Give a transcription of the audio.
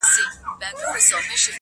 ولي مي هره شېبه، هر ساعت په غم نیسې؟